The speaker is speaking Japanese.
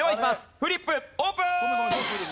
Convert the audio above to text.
フリップオープン！